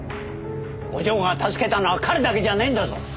お嬢が助けたのは彼だけじゃねえんだぞ！